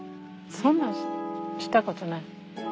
そんなんしたことない。